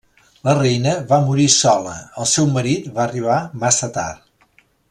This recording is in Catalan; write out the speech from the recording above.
La reina va morir sola, el seu marit va arribar massa tard.